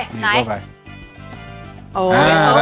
บีบเข้าไป